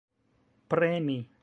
premi